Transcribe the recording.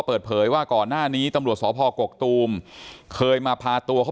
เปิดเผยว่าก่อนหน้านี้ตำรวจสพกกตูมเคยมาพาตัวเขา